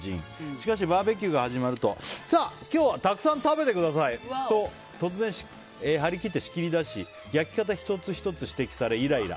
しかしバーベキューが始まるとさあ、今日はたくさん食べてくださいと突然張り切って仕切りだし焼き方１つ１つ指摘されイライラ。